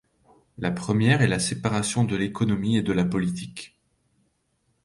La première est la séparation de l'économie et de la politique.